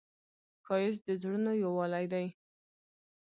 ښایست د زړونو یووالی دی